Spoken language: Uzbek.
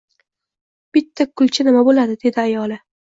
— Bitta kulcha nima bo‘ladi? — dedi ayoli.